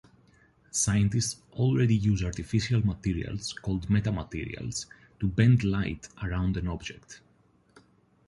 Scientists already use artificial materials called metamaterials to bend light around an object.